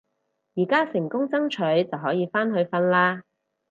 而家成功爭取就可以返去瞓啦